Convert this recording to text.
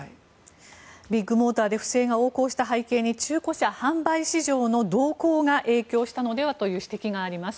ビッグモーターで不正が横行した背景に中古車販売市場の動向が影響したのではという指摘があります。